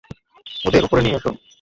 ওদের উপরে নিয়ে এসো।